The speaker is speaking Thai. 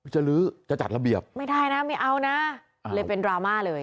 ลื้อจะจัดระเบียบไม่ได้นะไม่เอานะเลยเป็นดราม่าเลย